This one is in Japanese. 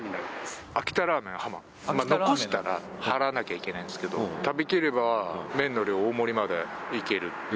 残したら払わなきゃいけないんですけど食べきれば麺の量大盛りまでいける。